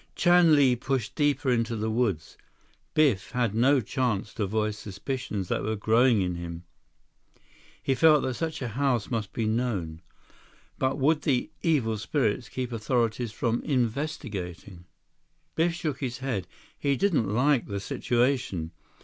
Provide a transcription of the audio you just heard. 146 Chan Li pushed deeper into the woods. Biff had no chance to voice suspicions that were growing in him. He felt that such a house must be known. But would the "evil spirits" keep authorities from investigating? Biff shook his head. He didn't like the situation.